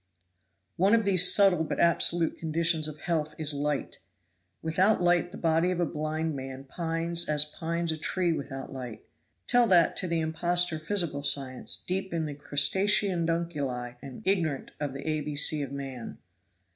One of these subtle but absolute conditions of health is light. Without light the body of a blind man pines as pines a tree without light. Tell that to the impostor physical science deep in the crustaceonidunculae and ignorant of the A B C of man.